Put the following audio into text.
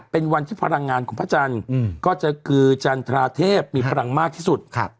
เป็นวันที่พลังงานของพระจันทร์ก็จะคือจันทราเทพมีพลังมากที่สุด